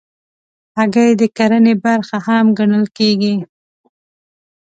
هګۍ د کرنې برخه هم ګڼل کېږي.